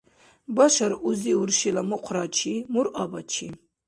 Башар узи-уршила мукърачи, муръабачи.